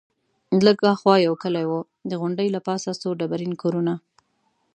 لږ ورهاخوا یو کلی وو، د غونډۍ له پاسه څو ډبرین کورونه.